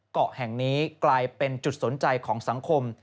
เกาะแห่งนี้กลายเป็นจุดสนใจของสังคม